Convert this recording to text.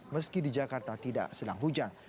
meski di jakarta tidak sedang hujan